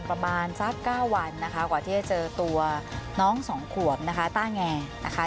ประมาณสัก๙วันนะคะกว่าที่จะเจอตัวน้องสองขวบนะคะต้าแงนะคะ